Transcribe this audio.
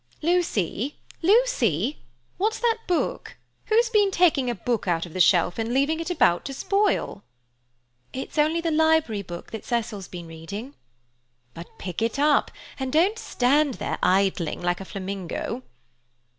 "Lucy! Lucy! What's that book? Who's been taking a book out of the shelf and leaving it about to spoil?" "It's only the library book that Cecil's been reading." "But pick it up, and don't stand idling there like a flamingo."